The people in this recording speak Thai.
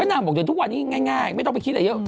แป๊บหน้าบอกว่าทุกวันนี้ง่ายไม่ต้องไปคิดอีกเยอะ